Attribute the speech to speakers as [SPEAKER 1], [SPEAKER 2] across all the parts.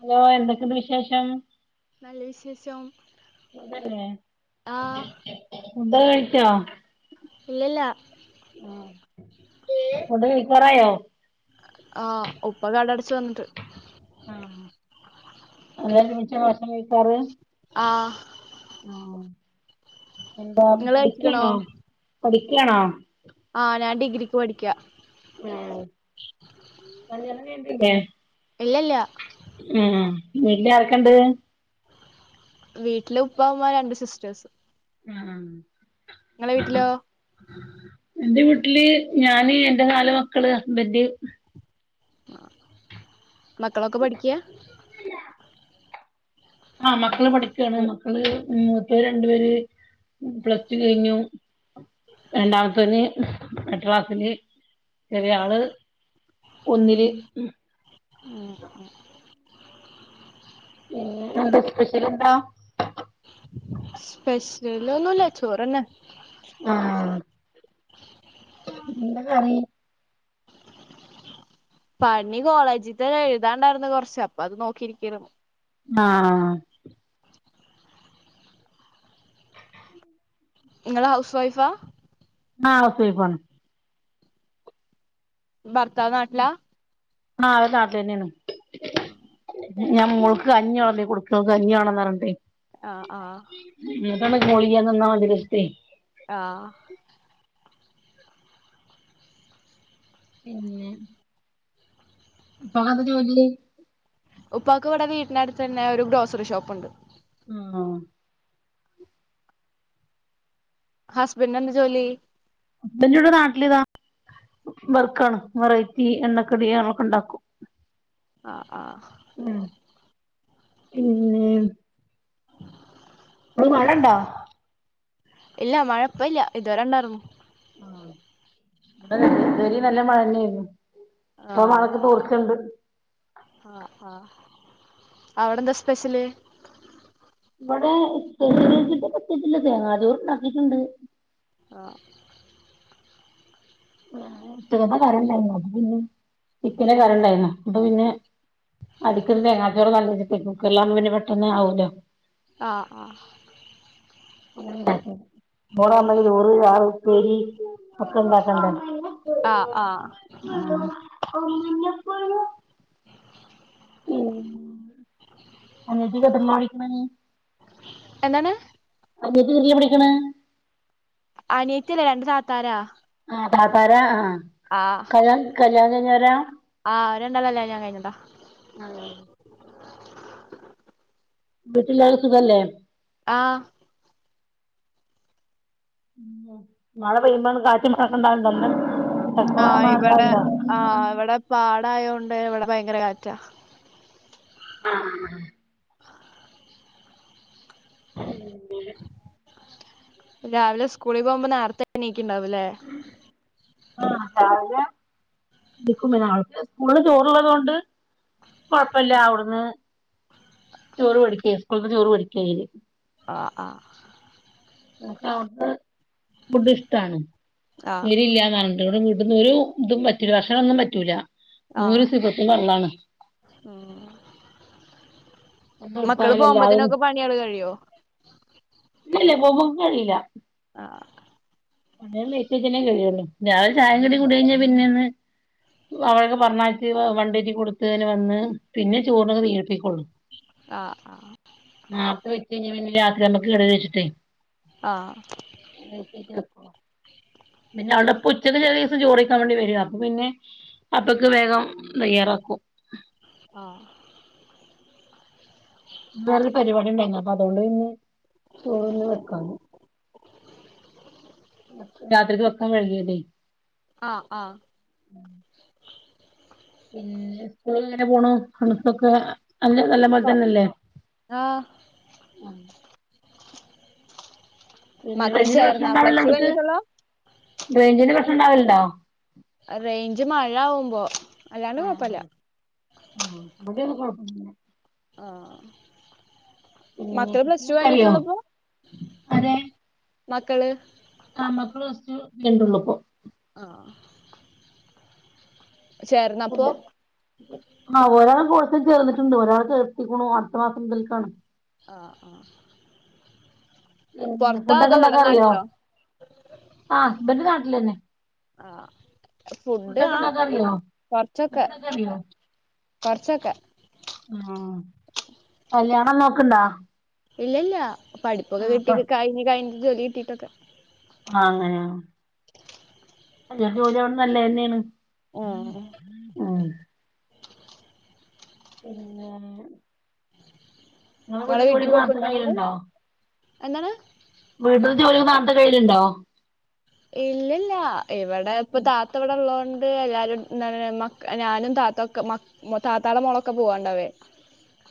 [SPEAKER 1] Hello എന്തൊക്കെയുണ്ട് വിശേഷം?
[SPEAKER 2] നല്ല വിശേഷം.
[SPEAKER 1] സുഖല്ലേ?
[SPEAKER 2] ആ
[SPEAKER 1] ഫുഡ്‌ കഴിച്ചോ?
[SPEAKER 2] ഇല്ലില്ല.
[SPEAKER 1] ഫുഡ്‌ കഴിക്കാറായോ?
[SPEAKER 2] ആ ഉപ്പ കട അടച്ചു വന്നിട്ട്.
[SPEAKER 1] ആ അങ്ങനെ ഒരുമിച്ചാ ഭക്ഷണം കഴിക്കാറ്?
[SPEAKER 2] ആ
[SPEAKER 1] ആ എന്താ
[SPEAKER 2] നിങ്ങള് കഴിച്ചിക്കണോ
[SPEAKER 1] പഠിക്ക്യാണോ പഠിക്ക്യാണോ?
[SPEAKER 2] ആ ഞാൻ ഡിഗ്രിക്ക് പഠിക്ക്യാ.
[SPEAKER 1] ആ കല്യാണം കഴിഞ്ഞില്ലേ?
[SPEAKER 2] ഇല്ലല്ലാ.
[SPEAKER 1] ഉം വീട്ടില് ആരൊക്കെണ്ട്?
[SPEAKER 2] വീട്ടില് ഉപ്പാഉമ്മ രണ്ട് സിസ്റ്റേഴ്സ്.
[SPEAKER 1] ഉം ഉം
[SPEAKER 2] നിങ്ങളെ വീട്ടിലോ?
[SPEAKER 1] എന്റെ വീട്ടില് ഞാന് എന്റെ നാലു മക്കള് ഹസ്ബൻഡ്.
[SPEAKER 2] മക്കളൊക്കെ പഠിക്ക്യാ?
[SPEAKER 1] ആ മക്കള് പഠിക്ക്യാണ് മക്കള് മൂത്തത് രണ്ടു പേര് പ്ലസ് ടു കഴിഞ്ഞു രണ്ടാമത്തവന് എട്ടാക്‌ളാസില് ചെറിയയാള് ഒന്നില്.
[SPEAKER 2] ഉം ഉം
[SPEAKER 1] പിന്നെ എന്താ സ്പെഷ്യൽ എന്താ?
[SPEAKER 2] സ്പെഷ്യല് ഒന്നുല്ല ചോറ്ന്നെ.
[SPEAKER 1] ആഹ് എന്താ കറി
[SPEAKER 2] പണി കോളേജിത് എഴുതാണ്ടായിരുന്നു കൊറച്അപ്പൊ അത് നോക്കിയിരിക്കരുന്നു
[SPEAKER 1] ആഹ [inaudible]
[SPEAKER 2] നിങ്ങള ഹൗസ് വൈഫാ
[SPEAKER 1] ആഹ ഹൌസ് വൈഫാണ്
[SPEAKER 2] ഭർത്താവ് നാട്ടിലാ
[SPEAKER 1] ആ നാട്ടി തന്നെ ആണ് ഞാൻ മോൾക്ക് കഞ്ഞിവെള്ബി കൊടുക്കാ കഞ്ഞി വേണെന്ന് പറഞ്ഞിട്ടെ
[SPEAKER 2] ആഹ ആഹ
[SPEAKER 1] [unintelligible]
[SPEAKER 2] ആഹ
[SPEAKER 1] പിന്നെ ഇപ്പാ ക്കെന്ത ജോലി
[SPEAKER 2] ഉപ്പാക്കു ഇവിടെ വീട്ടിനടുത്ത് തന്നെ ഒരു ഗ്രോസറി ഷോപ്പുണ്ട്
[SPEAKER 1] ആ
[SPEAKER 2] ഹസ്ബൻഡ എന്ത്‌ ജോലി
[SPEAKER 1] ബട നാട്ടില് താ വർക്കാണ് വെറൈറ്റി എണ്ണക്കടികളൊക്കെ ഉണ്ടാക്കും
[SPEAKER 2] ആഹ ആഹ
[SPEAKER 1] ഉം പിന്നെ അവിടെ മഴയുണ്ടോ
[SPEAKER 2] ഇല്ല മഴ ഇപോയില്ല ഇതുവരെ ഉണ്ടായിരുന്നു
[SPEAKER 1] ആ ഇവിടെ ഇതുവരെ നല്ല മഴന്നെ യിരുന്നു ഇപ്പൊ
[SPEAKER 2] ആ
[SPEAKER 1] മഴക്ക് തോ ർച്ചുണ്ട്
[SPEAKER 2] ആ അവിടെന്താ സ്പെഷ്യല്
[SPEAKER 1] ഇവിടെ പ്രത്യകിച്ചിട്ടുപതു ല്ല തേങ്ങാ ചോർണ്ടാക്കിട്ടുണ്ട്
[SPEAKER 2] ആ
[SPEAKER 1] ഉച്ചക്കത്തെ കറിയുണ്ടായിന്നു അപ്പ പിന്നെ ചിക്കന് കറി ഇണ്ടായിന്ന അപ്പ പിന്നെ അദി ക്ക തേങ്ങാച്ചോറ് നല്ല കുക്കറിലകുമ്പം പിന്നെ പെട്ടെന്ന് ആവലോ
[SPEAKER 2] ആഹ ആ
[SPEAKER 1] മൂന്നാമല്ലിൽ ചോർ ചാർ പേരി ഒക്കണ്ടക്കണ്ട
[SPEAKER 2] ആഹ് ആഹ്
[SPEAKER 1] ണോ അമ്മനിപ്പോണ ഉം അനിയത്തി എത്രില പഠിക്കണേ
[SPEAKER 2] എന്താണ്
[SPEAKER 1] അനിയത്തി എത്രീല് പഠിക്കണ
[SPEAKER 2] അനിയത്തില്ല രണ്ട് താത്താരാ
[SPEAKER 1] താത്താര ആ
[SPEAKER 2] ആഹ്
[SPEAKER 1] കല് കല്യാണം കഴിഞ്ഞോര
[SPEAKER 2] ആഹ് രണ്ടാളല്ലേ കല്യാണം കഴിഞ്ഞതാ
[SPEAKER 1] ആഹ
[SPEAKER 2] [inaudible]
[SPEAKER 1] വീട്ടിലെ ആള് സുഖല്ലേ
[SPEAKER 2] ആഹ്
[SPEAKER 1] മഴ പെയ്യുംബോ ഇങ്ങക്ക് കാറ്റും [unintelligible] ഉണ്ടാവല്ണ്ട നല്ലം
[SPEAKER 2] ആഹ് ഇവടെ ആഹ് ഇവടെ പാടായോണ്ട് ഇവടെ ഭയങ്കര കാറ്റാ
[SPEAKER 1] ആഹ് [unintelligible]
[SPEAKER 2] രാവിലെ സ്ക്ലൂളി പോകുമ്പോ നേരത്തെ നീക്കിണ്ടാവുംല്ലേ
[SPEAKER 1] ആ രാവിലെ ണീക്കും പിന്നെ ആൾക്ക് സ്കൂളില് ചോറുള്ളത് കൊണ്ട് കൊഴപ്പല്ല്യ അവിട്ന്ന് ചോറ് വേടിക്കേ സ്കൂള്ന്ന് ചോറ് വേടിക്കേയ്യല്.
[SPEAKER 2] ആ ആ
[SPEAKER 1] ഓൾക്ക് അവട്ത്തെ ഫുഡിഷ്ടാണ്
[SPEAKER 2] ആഹ്
[SPEAKER 1] എരില്ലാ [unintelligible] വീട്ട്ന്നൊരു തും പറ്റൂല ഭഷണാന്നും പറ്റൂല്ല. [unintelligible]
[SPEAKER 2] ആഹ്
[SPEAKER 1] സിഫത്തും ഫർളാണ്.
[SPEAKER 2] ഉം മക്കള്
[SPEAKER 1] ഇതിട്ത്താല്എല്ലാരും
[SPEAKER 2] പോകുമ്പോത്തിനൊക്കെ പണികള് കഴിയോ
[SPEAKER 1] ഇല്ല ല്ല പോവു ഇക്കറിയില്ല
[SPEAKER 2] ആഹ്
[SPEAKER 1] എല്ലേം ലേറ്റായിറ്റന്നെ കഴിയോള്ളു രാവിലെ ചായേംകടീം കൂടി കഴിഞ്ഞാ പി പിന്നൊന്ന് [unintelligible] പറഞ്ഞയച്ച് വണ്ടിയേറ്റി കൊടുത്ത് പിന്നെ വന്ന് പിന്നെ ചോറിന് തീയൂട്ടി ഉം
[SPEAKER 2] ആഹ്
[SPEAKER 1] നാർത്തെ വെച്ച് കഴിഞ്ഞാ പിന്നെ രാത്രിയാവുമ്പക്ക് കേടെ രൂച്ചിട്ടെ
[SPEAKER 2] ആഹ്
[SPEAKER 1] ഫുഡെഴ്ച്ചെയ്ഞാ വെക്കും. പിന്നെ അവൾടെ ഉപ്പ ഉച്ചക്ക് ചെലെ ദിവസം ചോറയ്ക്കാ വേണ്ടി വരും അപ്പൊ പിന്നെ അപ്പക്ക് വേഗം തയ്യാറാക്കും.
[SPEAKER 2] ആ
[SPEAKER 1] വേറൊരു പരിപാടി ഉണ്ടായിരുന്നു അതുകൊണ്ട് ഇന്ന് ചോറിന്ന് വെക്കാഞ്ഞ്. രാത്രിക്ക് വെക്ക [unintelligible]
[SPEAKER 2] ആ ആ
[SPEAKER 1] പിന്നെ സ്കൂളെങ്ങനെ പോണു പഠിത്തൊക്കെ അല്ല നല്ലംപോലെ
[SPEAKER 2] ആഹ്
[SPEAKER 1] തന്നല്ലേ?
[SPEAKER 2] ആഹ്
[SPEAKER 1] അ പിന്നെ.
[SPEAKER 2] മക്കൾ
[SPEAKER 1] റൈഞ്ചിന്റെ പ്രശ്നം
[SPEAKER 2] ചേർന്നാ
[SPEAKER 1] ണ്ടാവല്ണ്ടാ
[SPEAKER 2] പ്ലസ് ടു
[SPEAKER 1] അവ്ട്‌ക്ക്?
[SPEAKER 2] കഴിഞ്ഞിട്ടുള്ളോ
[SPEAKER 1] റൈഞ്ചിന് പ്രശ്നം ഉണ്ടാവല്ണ്ടോ
[SPEAKER 2] അ റൈഞ്ച് മഴ ആവുമ്പോ അല്ലാണ്ട് കൊഴപ്പല്ല.
[SPEAKER 1] [unintelligible] കൊഴപ്പൊന്നുല്ല.
[SPEAKER 2] ആഹ്
[SPEAKER 1] പിന്നെ
[SPEAKER 2] മക്കള് പ്ലസ് ടു
[SPEAKER 1] കുക്കിംഗ് ഒക്കെ അറിയോ
[SPEAKER 2] കഴിഞ്ഞിട്ടൊള്ളു പ്പോ?
[SPEAKER 1] അതെ
[SPEAKER 2] മക്കള്.
[SPEAKER 1] ആ മക്കള് പ്ലസ്ടു കഴിഞ്ഞിട്ടൊ ള്ളുപ്പോ.
[SPEAKER 2] ആഹ് ചേർന്നപ്പോ
[SPEAKER 1] ഫുഡ് ആഹ് ഒരാൾ കോഴ്സിൽ ചേർന്നിട്ടുണ്ട് ഒരാളെ ചേർത്തിക്ക്ണു അടുത്ത മാസം മുതൽക്കാണ്.
[SPEAKER 2] ആഹ്
[SPEAKER 1] പിന്നെ
[SPEAKER 2] പൊറത്താ
[SPEAKER 1] ഫുഡൊക്കെ
[SPEAKER 2] അതോ ഇവിടെ
[SPEAKER 1] ഉണ്ടാക്കാ അറിയോ?
[SPEAKER 2] നാട്ടിലോ
[SPEAKER 1] ആ ഹസ്ബന്റ് നാട്ടിലന്നെ.
[SPEAKER 2] ആഹ് ഫുഡ്
[SPEAKER 1] ഫുഡൊക്കെ
[SPEAKER 2] ആ
[SPEAKER 1] ഉണ്ടാക്കാൻ അറിയോ
[SPEAKER 2] കൊറച്ചൊക്കെ.
[SPEAKER 1] ഫുഡ്ണ്ടാക്കാൻ
[SPEAKER 2] കൊറച്ചൊക്കെ
[SPEAKER 1] ഉം കല്യാണം നോക്ക്ണ്ടാ?
[SPEAKER 2] ഇല്ലല്ല്യ പഠിപ്പൊക്കെ
[SPEAKER 1] ആഹ് പ്പ
[SPEAKER 2] കിട്ടി് കഴിഞ്ഞ് കഴിഞ്ഞ് ജോലി കിട്ടിട്ടൊക്കെ.
[SPEAKER 1] ആ അങ്ങനെ നല്ലൊരു ജോലിയാവണ് നല്ലന്നേണ്
[SPEAKER 2] ഉം
[SPEAKER 1] ഉം പിന്നെ ഇങ്ങളെ
[SPEAKER 2] നിങ്ങളെ
[SPEAKER 1] വീട്ടിൽ ജോലി ഒക്കെ നേർത്ത
[SPEAKER 2] പോക്കുണ്ടോ നിങ്ങള്
[SPEAKER 1] കയ്യലുണ്ടോ?
[SPEAKER 2] എന്താണ്
[SPEAKER 1] വീട്ടില് ജോലി നേരത്തെ കയ്യലുണ്ടോ
[SPEAKER 2] ഇല്ലല്ല ഇവിടെ ഇപ്പൊ താത്ത ഇവിടെള്ള ണ്ട് എല്ലാരും മക ഞാനും താത്തക്കെ മക താത്താടെ മോളൊക്കെ പോവാ ണ്ടവേ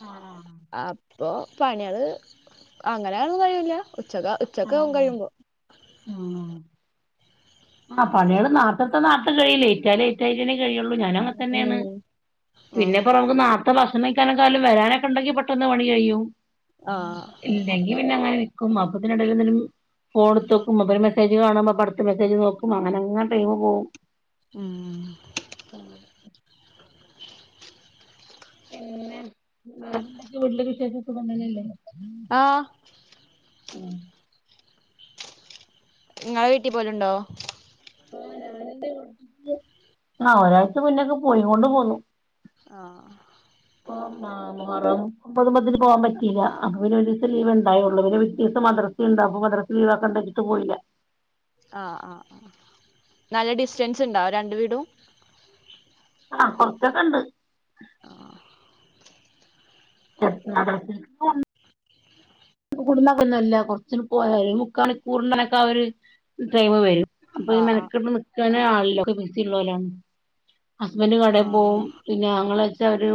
[SPEAKER 1] ആഹ ആഹ്
[SPEAKER 2] പ്പോ പണിയാള് അങ്ങനെണെന്ന് കഴിയൂല. ഉച്ചക്ക
[SPEAKER 1] ആഹ്
[SPEAKER 2] ഉച്ചകാവും
[SPEAKER 1] ആഹ്
[SPEAKER 2] കഴിയുമ്പോ
[SPEAKER 1] ആ പണികള് നാർത്തെ ട്‌ത്ത നാർത്തെ കഴിയും ലൈറ്റായ ലൈറ്റാ ള്ളൂ ഞാനും അങ്ങ തന്നെയാണ്
[SPEAKER 2] ഉം
[SPEAKER 1] പിന്നെപ്പ
[SPEAKER 2] ആഹ്
[SPEAKER 1] റ മ്മക്ക് നാർത്തെ ഭ ഭണിക്കനെക്കാലും വരാനൊക്കെ ഉണ്ടെങ്കി പെട്ടന്ന് പണി കഴിയും
[SPEAKER 2] ആഹ്
[SPEAKER 1] ഇല്ലെങ്കിൽ പിന്നെ അങ്ങനെ അപ്പതിനിടെും [unintelligible] ഫോൺ എടുതോക്കും അപ്പൊ മെസേജ് കാണുമ്പ അടുത്ത മെസേജ് നോക്കും അങ്ങനെ അങ്ങനെ ടൈംമ് പോകും
[SPEAKER 2] ഉം
[SPEAKER 1] പിന്നെ വേറെന്താ വീട്ടിലെ വിശേഷം സുഖല്ലേ
[SPEAKER 2] ആ
[SPEAKER 1] മം
[SPEAKER 2] നിങ്ങളെ വീട്ടിൽ പോലുണ്ടോ
[SPEAKER 1] ആ ഒരാഴ്ച മുന്നക്കെ പോയി കൊണ്ട് പോന്നു
[SPEAKER 2] ആ
[SPEAKER 1] മുഹറം ഒമ്പതിനും പത്തിനും പോവാൻ പറ്റില്ല അപ്പൊ ദിവസം ലീവ് ഉണ്ടായുള്ളൂ പിറ്റേദിവസം മദ്രസ മദ്രസ ഉണ്ട് അപ്പം മദ്രസ ലീവ് ആക്കണ്ടാച്ച്ട്ട് പോയിട്ടില്ല
[SPEAKER 2] ആ ആ ആ നല്ല ഡിസ്റ്റൻസ് ഉണ്ടാവ ര ണ്ട് വീടും
[SPEAKER 1] ആ കൊറച്ചൊക്കെ ഉണ്ട്
[SPEAKER 2] ആഹ്
[SPEAKER 1] [unintelligible] കുടുന്നൊന്നുമല്ല കുറച്ച പോ മുക്ക മണിക്കൂറിണക്കെ ആ ഒരു ടൈംമ് വരും അപ്പൊ ഈ
[SPEAKER 2] ആഹ്
[SPEAKER 1] മെനക്കെട്ട നിക്കാന് ആളില്ല ഒക്കെ ബിസി ഉള്ളോലാണ് ഹസ്ബൻഡ് കടയും
[SPEAKER 2] ആഹ്
[SPEAKER 1] പോവും പിന്നെ ആങ്ങള വെച്ചാര്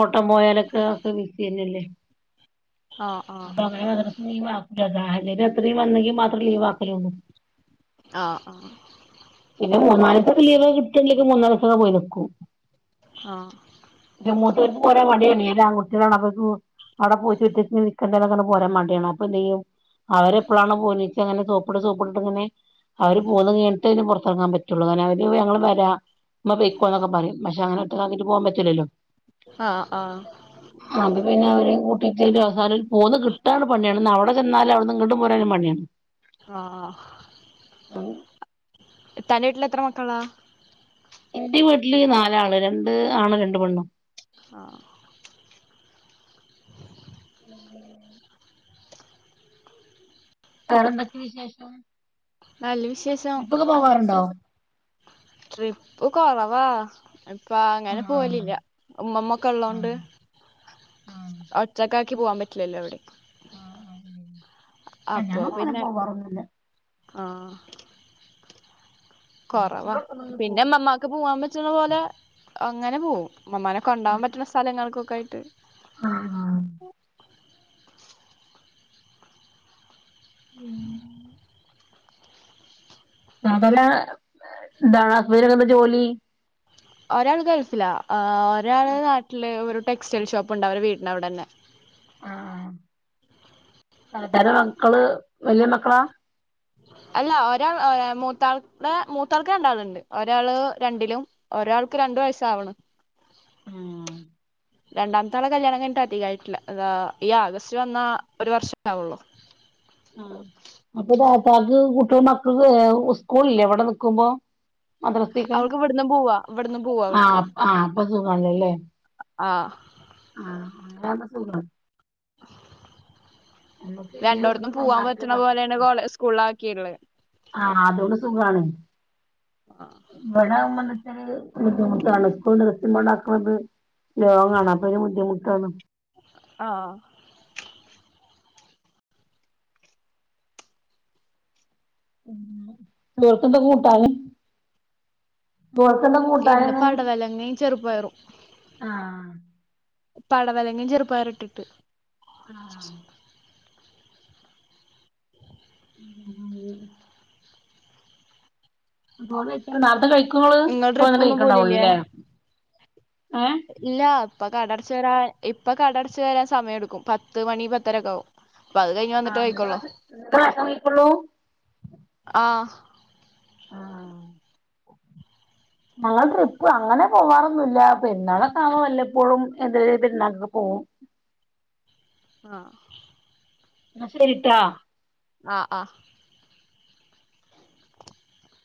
[SPEAKER 1] ഓട്ടം പോയാലൊക്കെ ഒക്കെ ബിസി ന്നല്ലേ
[SPEAKER 2] ആഹ് ആഹ്
[SPEAKER 1] അപ്പൊ അങ്ങനെ മദ്രസ ലീവ് ആകൂല സാഹചര്യം അത്രയും വന്നെങ്കിൽ മാത്രം ലീവ് ആക്കലള്ളു
[SPEAKER 2] ആ ആ
[SPEAKER 1] പിന്ന മൂന്നാല് ദിവസം ലീവ് കിട്ടിയെങ്കിൽ മൂന്നാല് ദിവസംപോയി നിൽക്കും
[SPEAKER 2] ആ
[SPEAKER 1] ഓല്ക്ക് പോരാൻ മടിയാണ് ഓല് ആൺകുട്ടിആളാണ് അവിടെ പോയിറ്റ് ഒറ്റക്ക് നിൽ കക്കെ പോരാൻ മടിയാണ് അ അപ്പൊന്ത്യ്യും അവരെ എപ്പോളാണ് പോര്നേച്ചാ അങ്ങനെ സോപ്പിട്ട് സോപ്പിട്ടട്ട് ഇങ്ങനെ അവര് പോകുന്ന കഴിഞ്ഞിട്ട് പുറത്ത് ഇറങ്ങാ പറ്റുള്ളൂ അനെ അവര് ഞങ്ങള് വരാ ഇമ്മ പെക്കോ എന്നക്കെ പറയും പക്ഷെ അങ്ങനെ ഒറ്റക്കാക്കിയിട്ട് പോവാൻ പറ്റില്ലല്ലോ
[SPEAKER 2] ആ ആ
[SPEAKER 1] [inaudible] അത് പിന്നെ അവര് കൂട്ടിയിട്ട് ഒരു അവസാനൽ പോന്ന് കിട്ടാന് പണിയാണ് അവിടെ ചെന്നാലും അവിടെന്ന് ഇങ്ങോട്ട് പോരാനും പണിയാണ്
[SPEAKER 2] ആ തന്റെ വീട്ടിൽ എത്ര മക്കളാ
[SPEAKER 1] എന്റെ വീട്ടില് നാലാള് രണ്ട് ആണും ര ണ്ട് പെണ്ണും
[SPEAKER 2] ആ
[SPEAKER 1] വേറെ എന്തൊക്കെ വിശേഷം
[SPEAKER 2] നല്ല വിശേഷം
[SPEAKER 1] ട്രിപ്പ് ഒക്കെ പോകാറുണ്ടോ
[SPEAKER 2] ട്രിപ്പ് കുറവാ അപ്പ
[SPEAKER 1] ആ
[SPEAKER 2] അങ്ങനെ പോവലില്ല ഉമ്മമ്മ ഒക്കെ
[SPEAKER 1] ആ
[SPEAKER 2] ഉള്ളതോണ്ട്
[SPEAKER 1] ആ
[SPEAKER 2] ഒറ്റാക്കാക്കി ക്കി പോവാൻ പറ്റില്ലല്ലോ ഇവിടെ
[SPEAKER 1] ആ ആ
[SPEAKER 2] അപ്പൊ
[SPEAKER 1] ഞങ്ങള് അങ്ങനേ
[SPEAKER 2] പിന്നെ
[SPEAKER 1] പോവറൊന്നുല്ല
[SPEAKER 2] ആ കൊറവാ പിന്നെ ഇമ്മമാക്ക് പോവാൻ പറ്റുന്ന പോലെ അങ്ങനെ പോവും ഉമ്മമ്മാനെ ക്കെണ്ടോവാൻ പറ്റുന്ന സ്ഥലങ്ങൾക്കൊക്കെയിട്ട്
[SPEAKER 1] ആ ആ ഉം അതല്ല എന്താ ഹസ്ബന്റിന് എന്താപ്പ ജോലി
[SPEAKER 2] ഒരാള് ഗൾഫിലാ ഒരാള് നാട്ടില് ഒരു ടെക്സ്റ്റൈൽ ഷോപ്പ്ണ്ട് അവരെ വീടിന് അവിടന്നെ
[SPEAKER 1] ആ താത്താന്റെ മക്കള് വലിയ മക്കളാ
[SPEAKER 2] അല്ല ഒരാൾ മൂത്താൾടെ മൂത്താൾക്ക് രണ്ടാളുണ്ട് ഒരാള് രണ്ടിലും ഒരാ ഒരാൾക്ക് രണ്ടു വയസ്സ് ആവണ്
[SPEAKER 1] ആ
[SPEAKER 2] രണ്ടാമത്താളെ ആള് കല്യാണം കഴിഞ്ഞിട്ട് അധികായിട്ടില്ല ഈ ആഗസ്റ്റ് വന്ന ഒരു വർഷേ ആവുള്ളു
[SPEAKER 1] ആ അപ്പൊ താത്താക്ക് കുട്ട്യാൾ മക്കൾക്ക് സ്കൂൾ ഇല്ലേ ഇവിടെ നിക്കുമ്പോ മദ്രസൊക്കെ
[SPEAKER 2] അവൾക്ക് ഇവിടന്നും പോവാ ഇവിടന്നും പോവാ
[SPEAKER 1] ആ
[SPEAKER 2] അവൾക്ക്
[SPEAKER 1] ആ അപ്പ സുഖാണല്ലോല്ലേ
[SPEAKER 2] ആ
[SPEAKER 1] ആ അങ്ങനാവുമ്പോ സുഖാണ് നമ്മക്ക് ലീവ്
[SPEAKER 2] രണ്ടോടത്തും
[SPEAKER 1] കിട്ടുമ്പോ
[SPEAKER 2] പോവാൻ
[SPEAKER 1] മാത്രേ
[SPEAKER 2] പറ്റണ പോലെയാണ് കോളേ സ്കൂളിലാക്കീക്കണ്
[SPEAKER 1] ആ അതോണ്ട് സുഖാണ് ഇവിടാകുമ്പൊ [unintelligible] ബുദ്ധിമുട്ടാണ് സ്കൂൾ ദിവസം കൊണ്ടാക്കണത് ലോങ്ങ് ആണ് അപ്പം അതിനു ബുദ്ധിമുട്ടാണ്
[SPEAKER 2] ആ
[SPEAKER 1] ഉം ചോർക്കെന്ത കൂട്ടാന്? ചോർക്കാന്താ കൂട്ടാന്
[SPEAKER 2] ഇന്ന്
[SPEAKER 1] ന്ന്
[SPEAKER 2] പടവലങ്ങയും ചെറുപ്പയറും
[SPEAKER 1] ആ
[SPEAKER 2] പടവലങ്ങേ ചെറുപയർ ഇട്ടിട്ട്
[SPEAKER 1] ആ [unintelligible] [unintelligible] നേരത്തെ കഴിക്കോ ഓള്
[SPEAKER 2] നിങ്ങൾ
[SPEAKER 1] ഇപ്പ വന്നിട്ട്
[SPEAKER 2] ട്രിപ്പൊന്നും പോലില്ലേ
[SPEAKER 1] കഴിക്കണ്ടാവള്ളൂല്ലേ
[SPEAKER 2] ഇല്ല പ്പ കട അടച്ചു വരാൻ ഇപ്പൊ കട അടച്ചു വരാൻ സമയം എടുക്കും പത്ത് മണി പത്തരൊക്കെ ആവും അപ്പൊ അത് കഴിഞ്ഞ് വന്നിട്ടേ കഴിക്കോള്ളൂ
[SPEAKER 1] ഇത്ര ഭക്ഷണം കഴിക്കൊള്ളൂ
[SPEAKER 2] ആ
[SPEAKER 1] ആ ഞങ്ങൾ ട്രിപ്പ് അങ്ങനെ പോവാറൊന്നുല്ല പെരുന്നാളൊക്കെ ആവുമ്പോ വല്ലപ്പോഴും ഏതെങ്കിലൊരു പെരുന്നാൾക്ക് പോവും
[SPEAKER 2] ആ
[SPEAKER 1] ന്നാ ശരിട്ടാ
[SPEAKER 2] ആ ആ